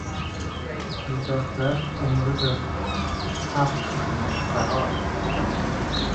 Nigohlar umridir… haq etmish qaror.